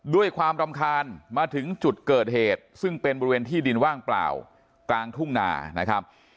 ด้วยความรำคาญมาถึงจุดเกิดเหตุซึ่งเป็นบริเวณที่ดินว่างเปล่ากลางทุ่งนานะครับ